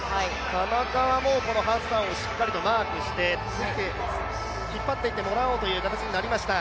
田中はハッサンをしっかりマークして、引っ張っていってもらおうという形になりました。